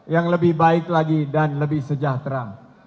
yang lebih baik lagi dan lebih sejahtera